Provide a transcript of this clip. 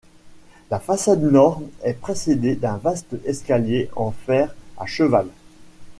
La façade nord est précédée d'un vaste escalier en fer à cheval.